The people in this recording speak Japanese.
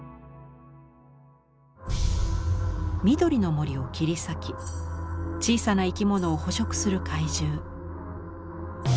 緑の森を切り裂き小さな生き物を捕食する怪獣。